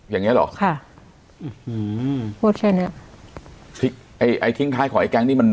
อย่างเงี้ยหรอค่ะอือหือพูดแค่เนี้ยทิ้งท้ายของไอ้แก๊งนี่มัน